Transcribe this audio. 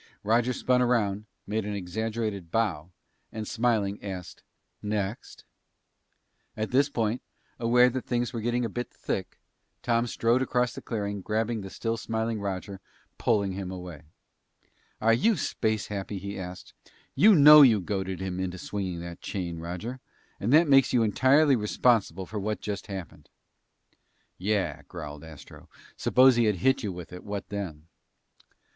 Roger spun around, made an exaggerated bow, and smiling, asked, "Next?" At this point, aware that things were getting a bit thick, Tom strode across the clearing, and grabbing the still smiling Roger, pulled him away. "Are you space happy?" he asked, "You know you goaded him into swinging that chain, Roger. And that makes you entirely responsible for what just happened!" "Yeah," growled Astro. "Suppose he had hit you with it, then what?"